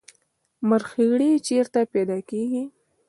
مرخیړي چیرته پیدا کیږي؟